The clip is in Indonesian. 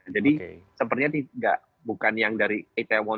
jadi sepertinya bukan yang dari itaewon